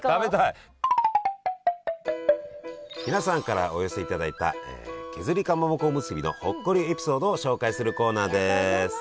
皆さんからお寄せいただいた削りかまぼこおむすびのほっこりエピソードを紹介するコーナーです！